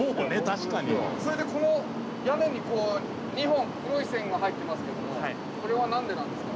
それでこの屋根に２本黒い線が入ってますけどもこれは何でなんですか？